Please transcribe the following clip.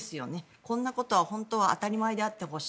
こんなことは本当は当たり前であってほしい。